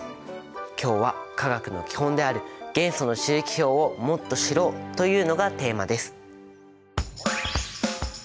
今日は化学の基本である元素の周期表をもっと知ろうというのがテーマです。